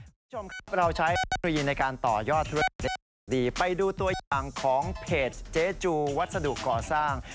คุณผู้ชมครับเราใช้ฟรีในการต่อยอดธุรกิจเทคนิคดีไปดูตัวอย่างของเพจเจ๊จูวัสดุก่อสร้าง